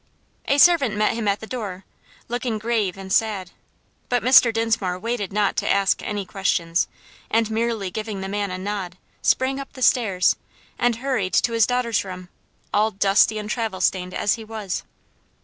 A servant met him at the door, looking grave and sad, but Mr. Dinsmore waited not to ask any questions, and merely giving the man a nod, sprang up the stairs, and hurried to his daughter's room, all dusty and travel stained as he was.